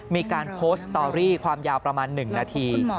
มีการโพสต์สตอรี่ความยาวประมาณ๑นาที